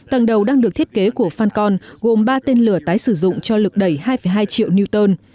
tầng đầu đang được thiết kế của fancon gồm ba tên lửa tái sử dụng cho lực đẩy hai hai triệu newton